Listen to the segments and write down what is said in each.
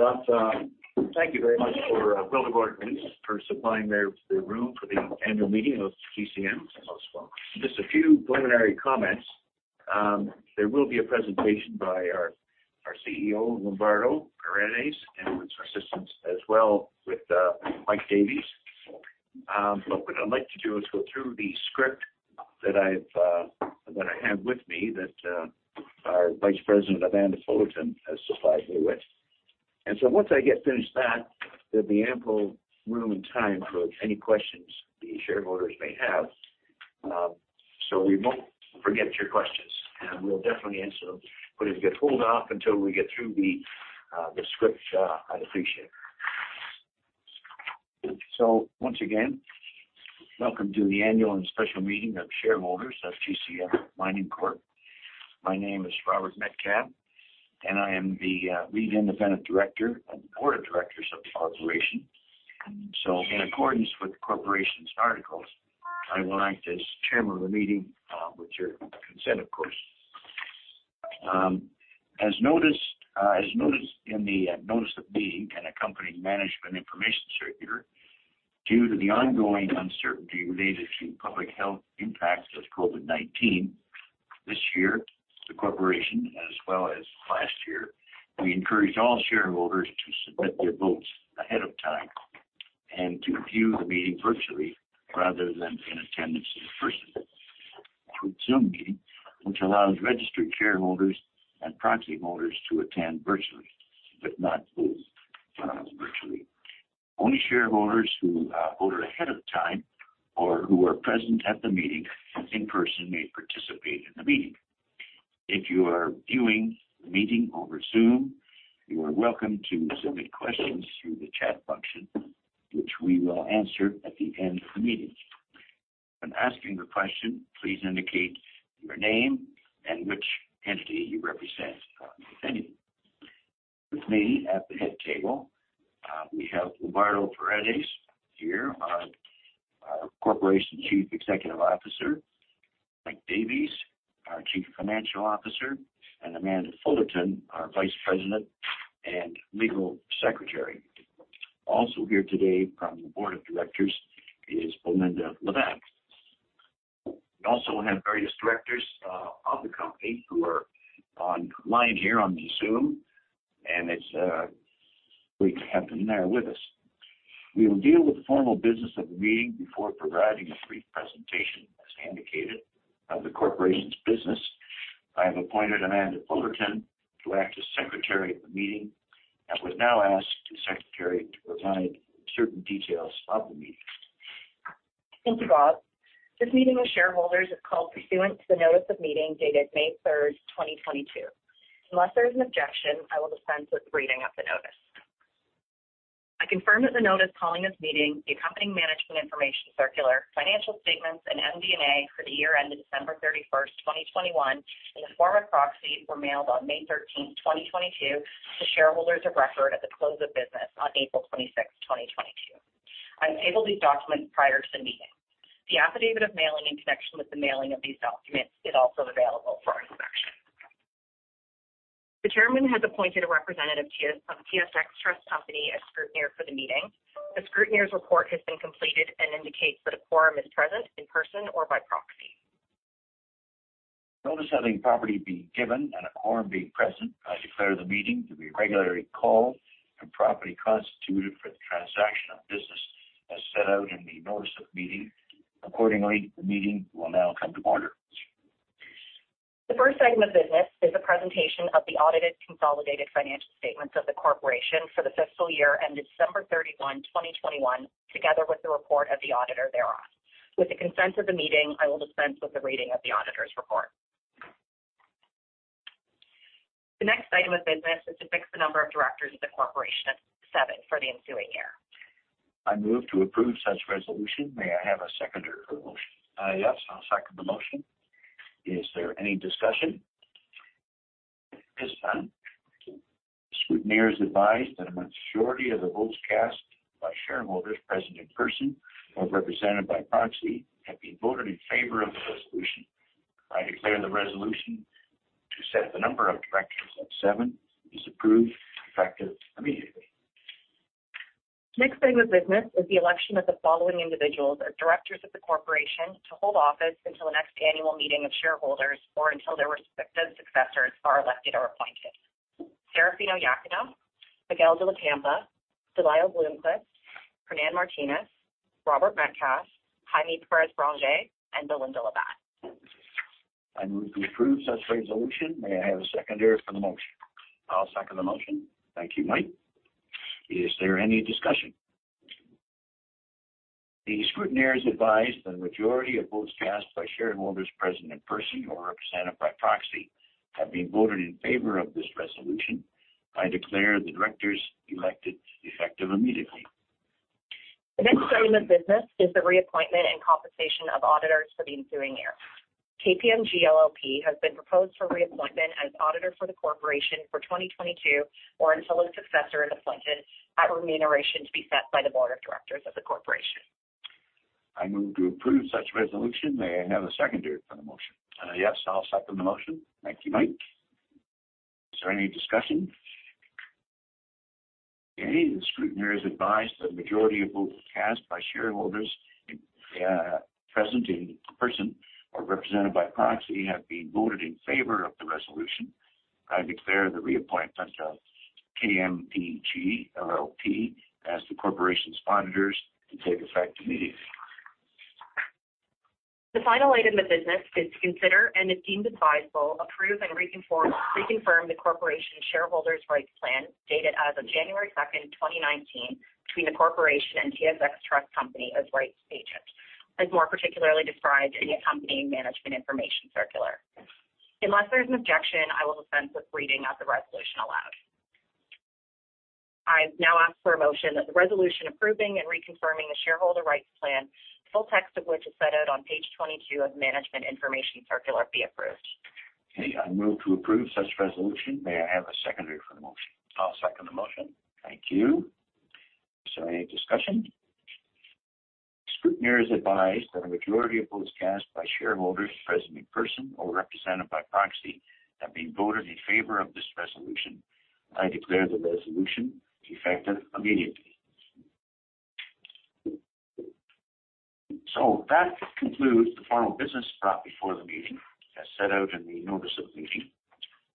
First off, thank you very much for Willard Holdings for supplying the room for the annual meeting of GCM as well. Just a few preliminary comments. There will be a presentation by our CEO, Lombardo Paredes, and with assistance as well with Mike Davies. But what I'd like to do is go through the script that I have with me that our Vice President, Amanda Fullerton, has supplied me with. Once I get finished that, there'll be ample room and time for any questions the shareholders may have. So we won't forget your questions, and we'll definitely answer them. If you hold off until we get through the script, I'd appreciate it. Once again, welcome to the annual and special meeting of shareholders of GCM Mining Corp. My name is Robert Metcalfe, and I am the Lead Independent Director on the board of directors of the corporation. In accordance with the corporation's articles, I will act as chairman of the meeting, with your consent, of course. As noticed in the notice of meeting and accompanying management information circular, due to the ongoing uncertainty related to public health impacts of COVID-19 this year, the corporation, as well as last year, we encourage all shareholders to submit their votes ahead of time and to view the meeting virtually rather than in attendance in person. Through Zoom meeting, which allows registered shareholders and proxy voters to attend virtually, but not vote, virtually. Only shareholders who voted ahead of time or who are present at the meeting in person may participate in the meeting. If you are viewing the meeting over Zoom, you are welcome to submit questions through the chat function, which we will answer at the end of the meeting. When asking a question, please indicate your name and which entity you represent, if any. With me at the head table, we have Lombardo Paredes here, our corporation Chief Executive Officer, Mike Davies, our Chief Financial Officer, and Amanda Fullerton, our Vice President and Legal Secretary. Also here today from the board of directors is Belinda Labatte. We also have various directors of the company who are online here on the Zoom, and we have them there with us. We will deal with the formal business of the meeting before providing a brief presentation, as indicated, of the corporation's business. I have appointed Amanda Fullerton to act as secretary of the meeting and would now ask the secretary to provide certain details of the meeting. Thank you, Bob. This meeting of shareholders is called pursuant to the notice of meeting dated May 3, 2022. Unless there is an objection, I will dispense with the reading of the notice. I confirm that the notice calling this meeting, the accompanying management information circular, financial statements, and MD&A for the year ended December 31, 2021, in the form of proxy, were mailed on May 13, 2022 to shareholders of record at the close of business on April 26, 2022. I tabled these documents prior to the meeting. The affidavit of mailing in connection with the mailing of these documents is also available for our inspection. The chairman has appointed a representative of TSX Trust Company as scrutineer for the meeting. The scrutineer's report has been completed and indicates that a quorum is present in person or by proxy. Notice having been properly given and a quorum being present, I declare the meeting to be regularly called and properly constituted for the transaction of business as set out in the notice of meeting. Accordingly, the meeting will now come to order. The first item of business is a presentation of the audited consolidated financial statements of the corporation for the fiscal year ended December 31, 2021, together with the report of the auditor thereon. With the consent of the meeting, I will dispense with the reading of the auditor's report. The next item of business is to fix the number of directors of the corporation at 7 for the ensuing year. I move to approve such resolution. May I have a seconder for the motion? Yes, I'll second the motion. Is there any discussion? If not, scrutineers advised that a majority of the votes cast by shareholders present in person or represented by proxy have been voted in favor of the resolution. I declare the resolution to set the number of directors at seven is approved, effective immediately. Next item of business is the election of the following individuals as directors of the corporation to hold office until the next annual meeting of shareholders or until their respective successors are elected or appointed. Serafino Iacono, Miguel de la Campa, Delia Blomquist, Hernán Martínez, Robert Metcalfe, Jaime Pérez Branger, and Belinda Labatte. I move to approve such resolution. May I have a seconder for the motion? I'll second the motion. Thank you, Mike. Is there any discussion? The scrutineer has advised the majority of votes cast by shareholders present in person or represented by proxy have been voted in favor of this resolution. I declare the directors elected, effective immediately. The next item of business is the reappointment and compensation of auditors for the ensuing year. KPMG LLP has been proposed for reappointment as auditor for the corporation for 2022 or until a successor is appointed at remuneration to be set by the board of directors of the corporation. I move to approve such resolution. May I have a seconder for the motion? Yes, I'll second the motion. Thank you, Mike. Is there any discussion? Okay. The scrutineer has advised the majority of votes cast by shareholders present in person or represented by proxy have been voted in favor of the resolution. I declare the reappointment of KPMG LLP as the corporation's auditors to take effect immediately. The final item of business is to consider, and if deemed advisable, approve and reconfirm the corporation shareholders' rights plan, dated as of January 2, 2019, between the corporation and TSX Trust Company as rights agent, as more particularly described in the accompanying Management Information Circular. Unless there's an objection, I will dispense with reading of the resolution aloud. I now ask for a motion that the resolution approving and reconfirming the shareholder rights plan, the full text of which is set out on page 22 of Management Information Circular, be approved. Okay. I move to approve such resolution. May I have a seconder for the motion? I'll second the motion. Thank you. Is there any discussion? Scrutineer has advised that a majority of votes cast by shareholders present in person or represented by proxy have been voted in favor of this resolution. I declare the resolution effective immediately. That concludes the formal business brought before the meeting, as set out in the notice of the meeting.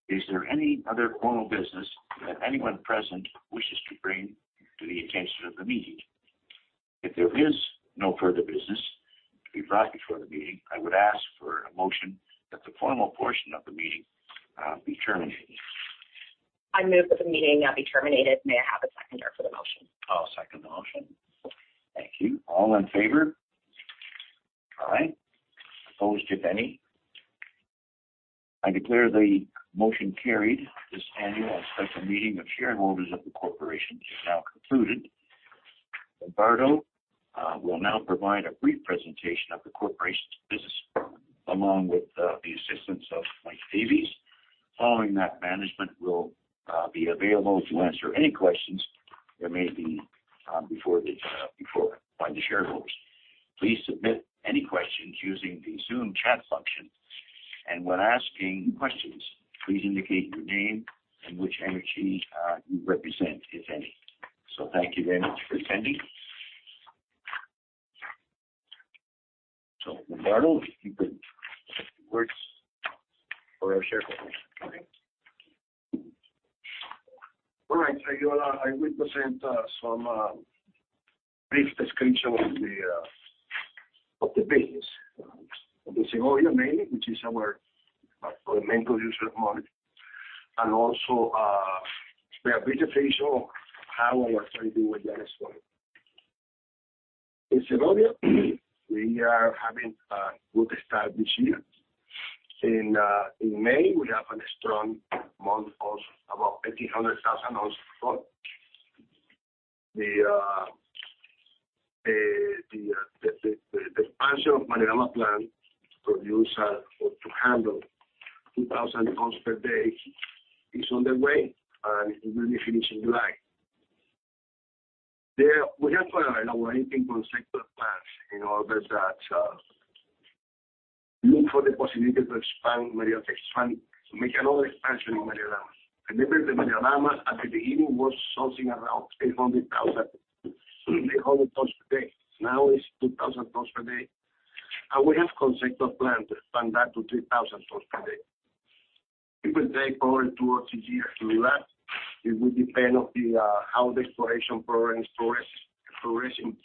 Is there any other formal business that anyone present wishes to bring to the attention of the meeting? If there is no further business to be brought before the meeting, I would ask for a motion that the formal portion of the meeting be terminated. I move that the meeting now be terminated. May I have a seconder for the motion? I'll second the motion. Thank you. All in favor? All right. Opposed, if any? I declare the motion carried. This annual and special meeting of shareholders of the corporation is now concluded. Lombardo will now provide a brief presentation of the corporation's business, along with the assistance of Michael Davies. Following that, management will be available to answer any questions there may be by the shareholders. Please submit any questions using the Zoom chat function. When asking questions, please indicate your name and which entity you represent, if any. Thank you very much for attending. Lombardo, if you could, words for our shareholders. All right. Thank you. I will present some brief description of the business of the Segovia mainly, which is our main producer of gold. We have brief appraisal how we are trying to do with Yanacocha. In Segovia, we are having a good start this year. In May, we have a strong month of about 18,000 ounces of gold. The expansion of Maria Dama plant to produce or to handle 2,000 tons per day is on the way, and it will be finished in July. There, we have filed our 19 conceptual plans in order that look for the possibility to expand, to make another expansion in Maria Dama. Remember, the Maria Dama at the beginning was something around 800 tons per day. Now, it's 2,000 tons per day. We have conceptual plan to expand that to 3,000 tons per day. It will take probably two or three years to do that. It will depend on how the exploration program is progressing.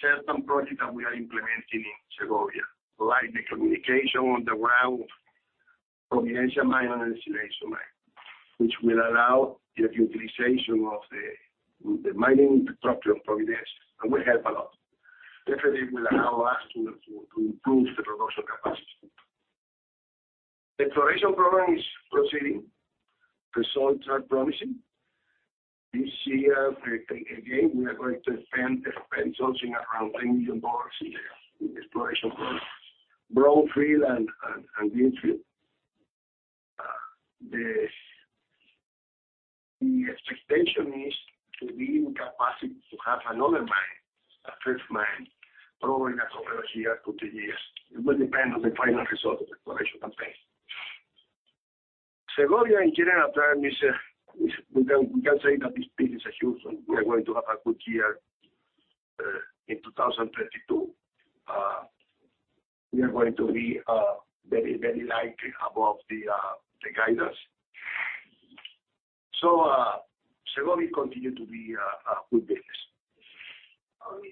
Certain projects that we are implementing in Segovia, like the communication on the ground, Providencia Mine and Insolación Mine, which will allow the utilization of the mining structure of Providencia, and will help a lot. Definitely, it will allow us to improve the production capacity. The exploration program is proceeding. The results are promising. This year, again, we are going to spend something around $10 million in the exploration program, brownfield and greenfield. The expectation is to be in capacity to have another mine, a fifth mine, probably in a couple of years to two years. It will depend on the final result of exploration campaign. Segovia in general term is we can say that this business is huge and we are going to have a good year in 2022. We are going to be very likely above the guidance. Segovia continues to be a good business.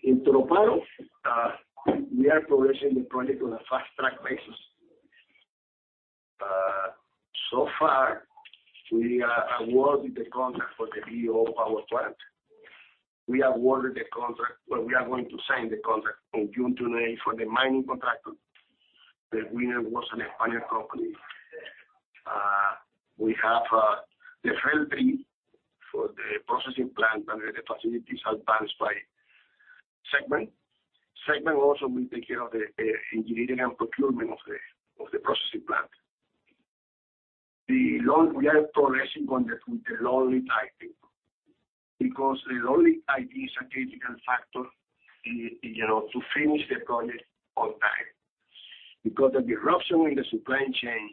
In Toroparu, we are progressing the project on a fast-track basis. So far, we awarded the contract for the BOO power plant. We awarded the contract. Well, we are going to sign the contract on June 28 for the mining contractor. The winner was a Spanish company. We have the FEED study for the processing plant, and the facilities are balanced by Sedgman. Sedgman will also take care of the engineering and procurement of the processing plant. We are progressing on that with the long lead item. Because the long lead item is a critical factor in, you know, to finish the project on time. Because of the disruption in the supply chain,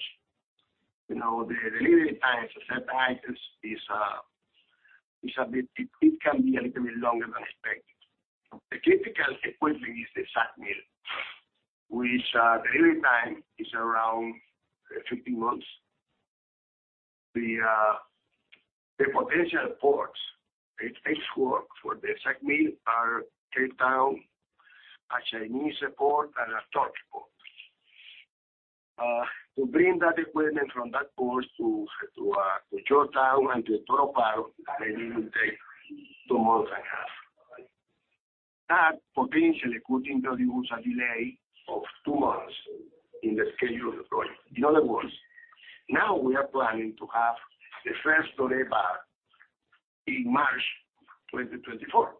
you know, the delivery times of certain items is a bit longer than expected. The critical equipment is the SAG mill, which the delivery time is around 15 months. The potential ports for the SAG mill are Cape Town, a Chinese port, and a Turkish port. To bring that equipment from that port to Georgetown and to Toroparu, maybe it will take two months and a half. That potentially could introduce a delay of two months in the schedule of the project. In other words, now we are planning to have the first doré bar in March 2024.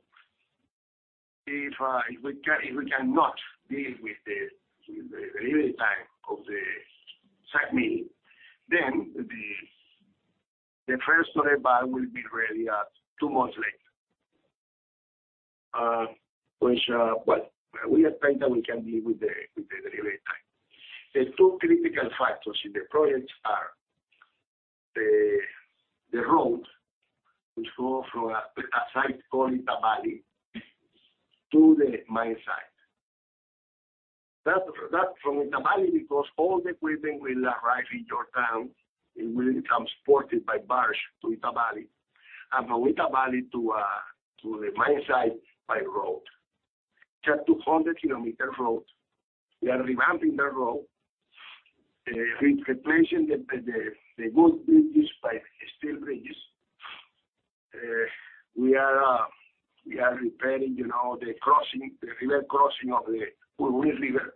If we cannot deal with the delivery time of the SAG mill, then the first doré bar will be ready two months later. Well, we expect that we can deal with the delivery time. The two critical factors in the project are the road which go from a site called Itaballi to the mine site. That from Itaballi because all the equipment will arrive in Georgetown. It will come transported by barge to Itaballi. From Itaballi to the mine site by road. It's a 200-kilometer road. We are revamping that road, replacing the wood bridges by steel bridges. We are repairing, you know, the crossing, the river crossing of the Waini River.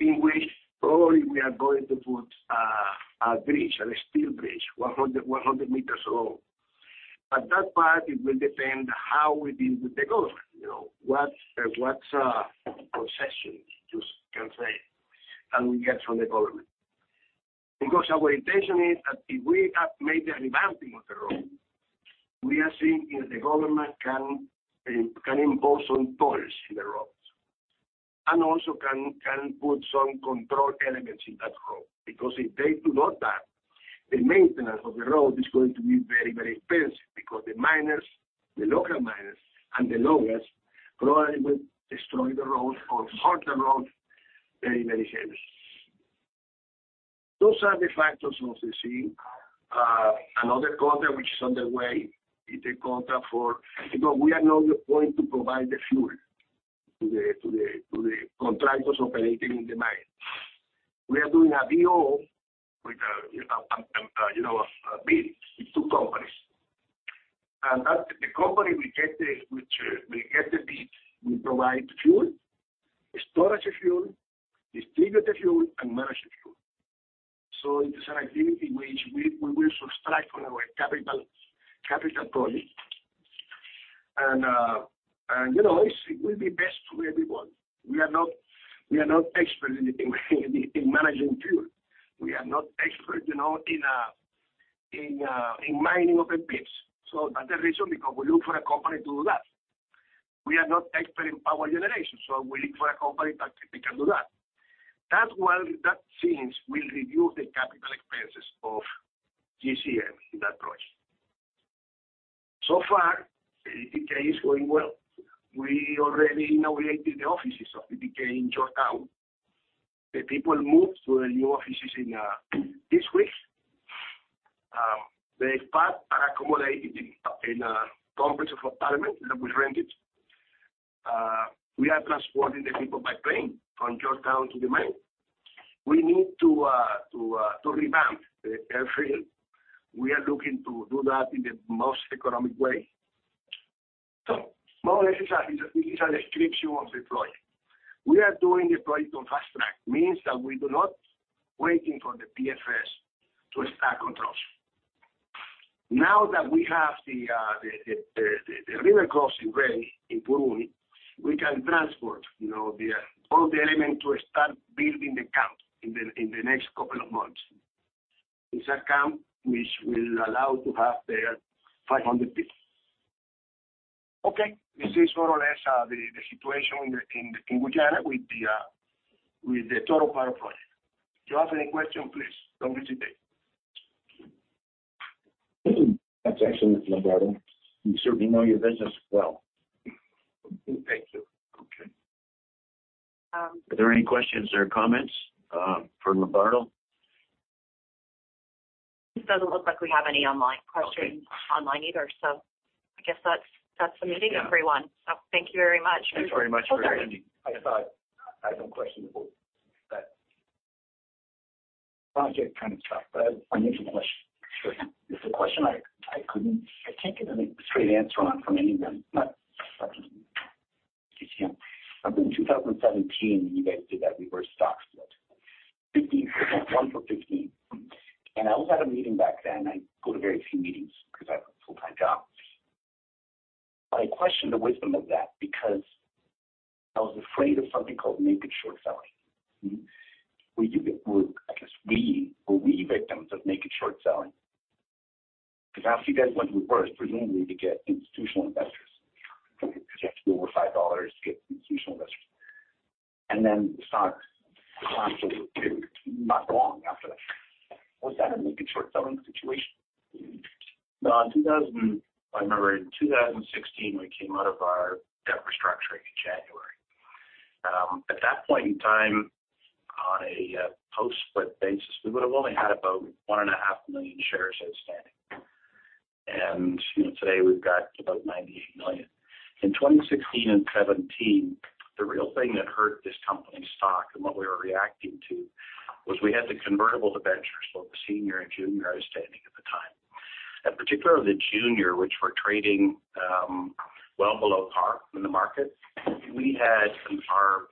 In which probably we are going to put a steel bridge 100 meters long. But that part, it will depend how we deal with the government. You know, what concession you can say can we get from the government. Because our intention is that if we have made the revamping of the road, we are seeing if the government can impose some tolls in the roads. Also can put some control elements in that road. Because if they do not do that, the maintenance of the road is going to be very expensive because the miners, the local miners and the loggers probably will destroy the road or hurt the road very heavily. Those are the factors we see. Another contract which is on the way is a contract, for we are now going to provide the fuel to the contractors operating in the mine. We are doing a bid with two companies. The company which will get the bid will provide fuel, storage of fuel, distribute the fuel, and manage the fuel. It is an activity which we will subtract from our capital project. It will be best for everyone. We are not expert in managing fuel. We are not expert in mining open pits. That's the reason because we look for a company to do that. We are not expert in power generation, so we look for a company that they can do that. Those things will reduce the capital expenses of GCM in that project. ETK is going well. We already inaugurated the offices of ETK in Georgetown. The people moved to the new offices in this week. They're partly accommodated in a complex of apartments that we rented. We are transporting the people by plane from Georgetown to the mine. We need to revamp the airfield. We are looking to do that in the most economic way. More or less it's a description of the project. We are doing the project on fast track. Means that we do not waiting for the PFS to start construction. Now that we have the river crossing ready in Puruni, we can transport all the element to start building the camp in the next couple of months. It's a camp which will allow to have the 500 people. Okay. This is more or less the situation in Guyana with the Toroparu project. If you have any question, please don't hesitate. That's excellent, Lombardo. You certainly know your business well. Thank you. Okay. Um- Are there any questions or comments for Lombardo? It doesn't look like we have any online questions. Okay. Not online either, so I guess that's the meeting everyone. Yeah. Thank you very much. Thanks very much for attending. Of course. I have no question about that project kind of stuff, but I have a financial question. Sure. It's a question I can't get a straight answer on from anyone, not from GCM. Back in 2017, you guys did that reverse stock split. 15 for one for fifteen. I was at a meeting back then. I go to very few meetings because I have a full-time job. I question the wisdom of that because I was afraid of something called naked short selling. I guess we were victims of naked short selling. Because after you guys went reverse, presumably to get institutional investors, because you have to be over $5 to get institutional investors, and then the stock crashed not long after that. Was that a naked short selling situation? No. I remember in 2016, we came out of our debt restructuring in January. At that point in time, on a post-split basis, we would have only had about 1.5 million shares outstanding. You know, today we've got about 98 million. In 2016 and 2017, the real thing that hurt this company's stock and what we were reacting to was we had the convertible debentures, both the senior and junior, outstanding at the time. Particularly the junior, which were trading well below par in the market. We had a firm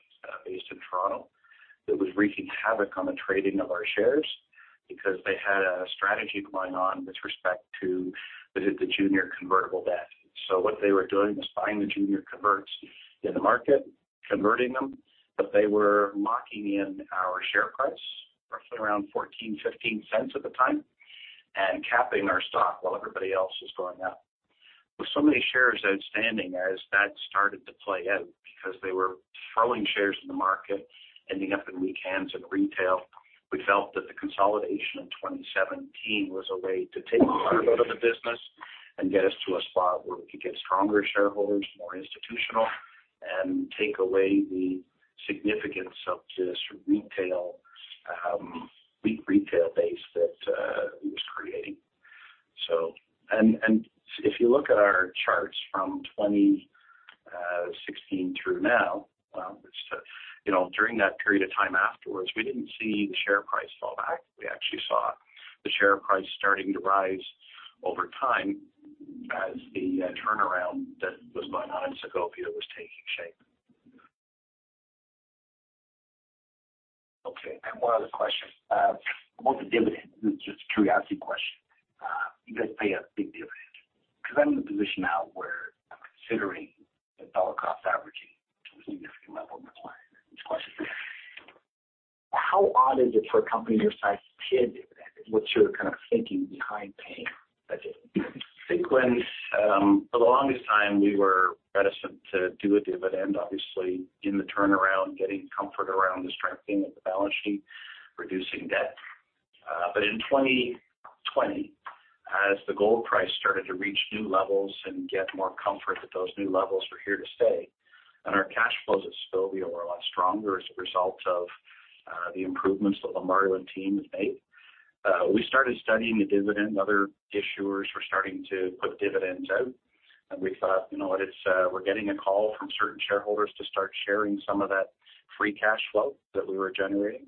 based in Toronto that was wreaking havoc on the trading of our shares because they had a strategy going on with respect to the junior convertible debt. What they were doing was buying the junior converts in the market, converting them, but they were locking in our share price, roughly around $0.14-$0.15 at the time, and capping our stock while everybody else was going up. With so many shares outstanding, as that started to play out, because they were throwing shares in the market, ending up in weak hands and retail, we felt that the consolidation in 2017 was a way to take the firm out of the business and get us to a spot where we could get stronger shareholders, more institutional, and take away the significance of this retail weak retail base that it was creating. If you look at our charts from 2016 through now, you know, during that period of time afterwards, we didn't see the share price fall back. We actually saw the share price starting to rise over time as the turnaround that was going on in Segovia was taking shape. Okay. I have one other question. About the dividend. This is just a curiosity question. You guys pay a big dividend. Because I'm in the position now where I'm considering the dollar cost averaging to a significant level with my client, which is why I ask the question. How odd is it for a company your size to pay a dividend? What's your kind of thinking behind paying that dividend? I think when for the longest time, we were reticent to do a dividend, obviously, in the turnaround, getting comfort around the strengthening of the balance sheet, reducing debt. In 2020, as the gold price started to reach new levels and get more comfort that those new levels were here to stay, and our cash flows at Segovia were a lot stronger as a result of the improvements that Lombardo and team have made, we started studying a dividend. Other issuers were starting to put dividends out, and we thought, "You know what? It's, we're getting a call from certain shareholders to start sharing some of that free cash flow that we were generating."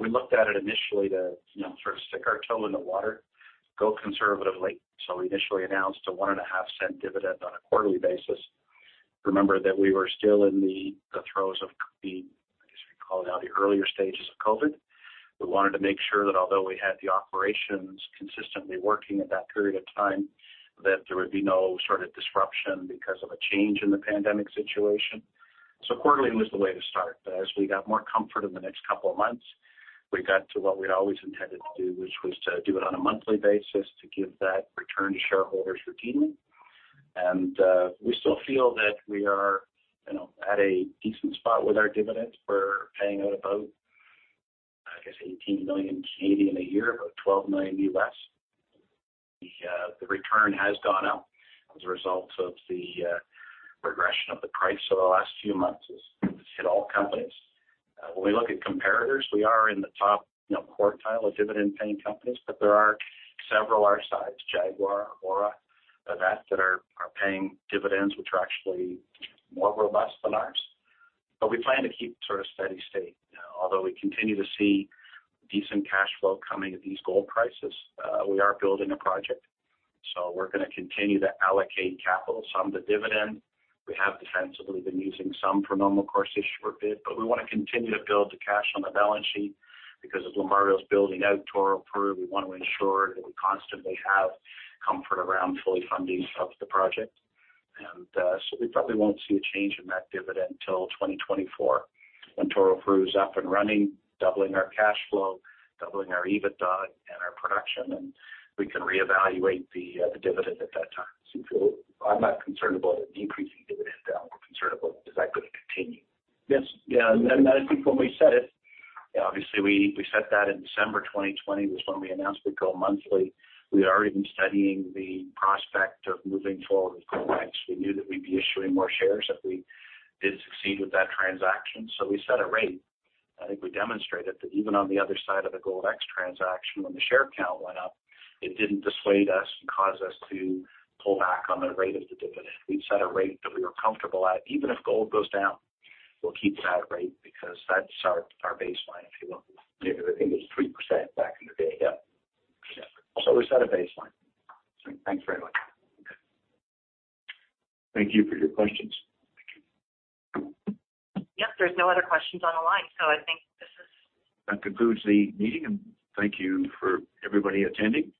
We looked at it initially to, you know, sort of stick our toe in the water, go conservatively. We initially announced a 1.5-cent dividend on a quarterly basis. Remember that we were still in the throes of the, I guess we'd call now, the earlier stages of COVID. We wanted to make sure that although we had the operations consistently working at that period of time, that there would be no sort of disruption because of a change in the pandemic situation. Quarterly was the way to start. As we got more comfort in the next couple of months, we got to what we'd always intended to do, which was to do it on a monthly basis to give that return to shareholders routinely. We still feel that we are, you know, at a decent spot with our dividends. We're paying out about, I guess, 18 million a year, about $12 million. The return has gone up as a result of the regression of the price over the last few months. It's hit all companies. When we look at comparators, we are in the top, you know, quartile of dividend paying companies, but there are several our size, Jaguar, Aura, Equinox, that are paying dividends which are actually more robust than ours. We plan to keep sort of steady state. You know, although we continue to see decent cash flow coming at these gold prices, we are building a project, so we're gonna continue to allocate capital. Some to dividend, we have defensively been using some for normal course issuer bid, but we wanna continue to build the cash on the balance sheet because as Lombardo's building out Toroparu, we want to ensure that we constantly have comfort around fully funding of the project. We probably won't see a change in that dividend until 2024 when Toroparu's up and running, doubling our cash flow, doubling our EBITDA and our production, and we can reevaluate the dividend at that time. I'm not concerned about a decreasing dividend now. I'm more concerned about is that gonna continue? Yes. Yeah. I think when we set it, obviously we set that in December 2020 was when we announced we'd go monthly. We had already been studying the prospect of moving forward with Gold X. We knew that we'd be issuing more shares if we did succeed with that transaction. We set a rate. I think we demonstrated that even on the other side of the Gold X transaction, when the share count went up, it didn't dissuade us and cause us to pull back on the rate of the dividend. We'd set a rate that we were comfortable at. Even if gold goes down, we'll keep it at rate because that's our baseline, if you will. Yeah, because I think it was 3% back in the day. Yeah. Sure. We set a baseline. Thanks very much. Okay. Thank you for your questions. Thank you. Yes, there's no other questions on the line. That concludes the meeting, and thank you for everybody attending.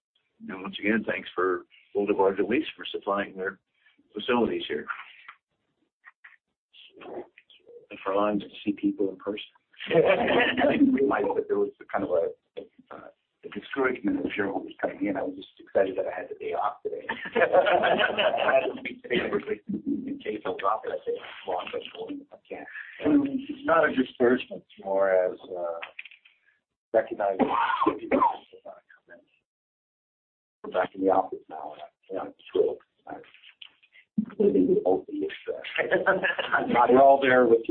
Once again, thanks for Boulevard Club for supplying their facilities here. For allowing me to see people in person. I didn't realize that there was a kind of discouragement of shareholders coming in. I was just excited that I had the day off today. I had a big favor to do in case I was off, but I said as long as I join, I can. It's not a discouragement, it's more as recognizing people are not coming in. We're back in the office now, and I'm thrilled. I'm including the OP extra. We're all there with you.